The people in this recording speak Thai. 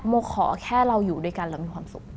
โมขอแค่เราอยู่ด้วยกันเรามีความสุข